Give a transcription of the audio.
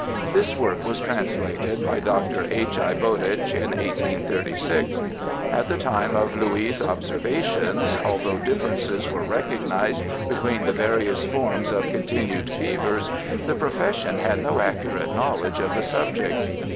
This work was translated by Dr. H.I. Bowditch in 1836. At the time of Louis' observations, although differences were recognized between the various forms of continued fevers, the profession had no accurate knowledge of the subject.